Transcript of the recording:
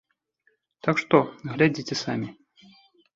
Так што, глядзіце самі.